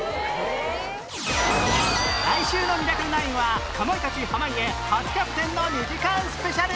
来週の『ミラクル９』はかまいたち濱家初キャプテンの２時間スペシャル！